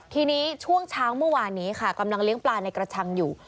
ทีนี้ช่วงเช้าเมื่อวานนี้ค่ะกำลังเลี้ยงปลาในกระชังอยู่